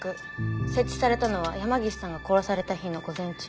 設置されたのは山岸さんが殺された日の午前中。